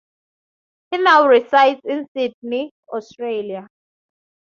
He now resides in Sydney, Australia.